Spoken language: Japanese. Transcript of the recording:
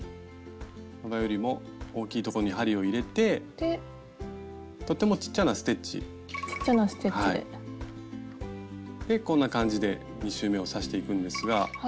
これよりも大きいとこに針を入れてとってもちっちゃなステッチ。でこんな感じで２周めを刺していくんですが。